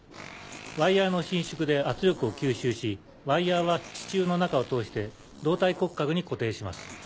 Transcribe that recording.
ワイヤの伸縮で圧力を吸収しワイヤは支柱の中を通して胴体骨格に固定します。